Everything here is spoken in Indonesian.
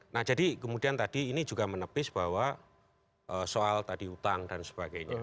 nah jadi kemudian tadi ini juga menepis bahwa soal tadi utang dan sebagainya